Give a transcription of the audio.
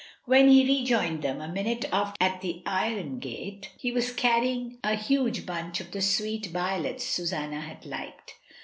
When he rejoined them a minute after at the iron gate he was canying a huge bunch of the sweet violets Susanna had liked.